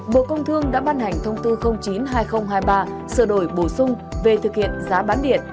bộ công thương đã ban hành thông tư chín hai nghìn hai mươi ba sửa đổi bổ sung về thực hiện giá bán điện